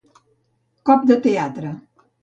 Cop de teatre.